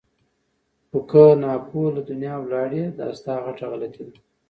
خو که ناپوه له دنیا ولاړې دا ستا غټه غلطي ده!